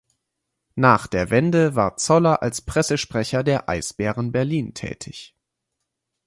Nach der Wende war Zoller als Pressesprecher der Eisbären Berlin tätig.